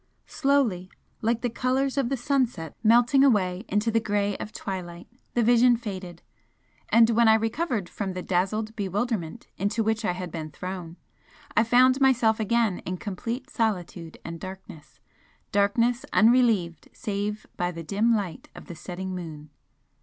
Slowly, like the colours of the sunset melting away into the grey of twilight, the Vision faded, and when I recovered from the dazzled bewilderment into which I had been thrown, I found myself again in complete solitude and darkness darkness unrelieved save by the dim light of the setting moon.